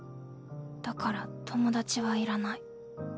だから友達はいらない。